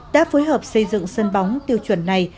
đã phối hợp xây dựng sân bóng tiêu chuẩn này